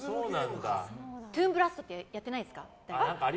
「トゥーンブラスト」ってやってないですか？